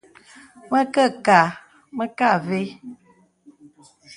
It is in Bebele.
Mə kə kâ , mə kə avə́.